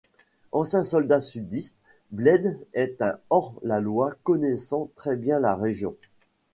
Ancien soldat sudiste, Blayde est un hors-la-loi connaissant très bien la région.